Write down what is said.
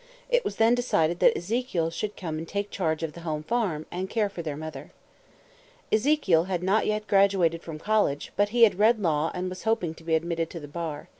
It was then decided that Ezekiel should come and take charge of the home farm, and care for their mother. Ezekiel had not yet graduated from college, but he had read law and was hoping to be admitted to the bar.